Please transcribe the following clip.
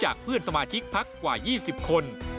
เพื่อนสมาชิกพักกว่า๒๐คน